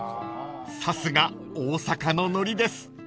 ［さすが大阪のノリです］